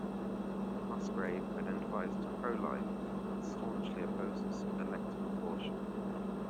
Musgrave identifies as pro-life and staunchly opposes elective abortion.